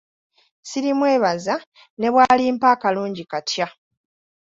Sirimwebaza ne bw’alimpa akalungi katya.